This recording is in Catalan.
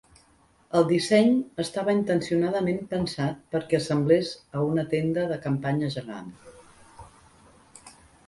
El disseny estava intencionadament pensat perquè assemblés a una tenda de campanya gegant.